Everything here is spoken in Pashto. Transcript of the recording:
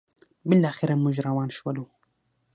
بالاخره موږ روان شولو: